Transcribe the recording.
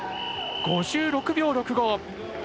５６秒６５。